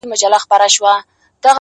• بوډا وویل پیسو ته نه ژړېږم,